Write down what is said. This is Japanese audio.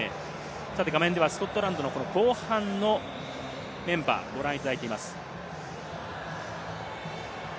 画面ではスコットランドの後半のメンバー、ご覧いただいています。